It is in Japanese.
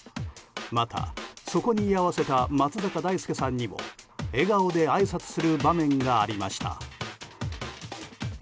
また、そこに居合わせた松坂大輔さんにも笑顔であいさつする場面がありました。